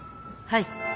はい。